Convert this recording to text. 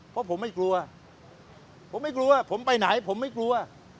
เพราะผมไม่กลัวผมไม่กลัวผมไปไหนผมไม่กลัว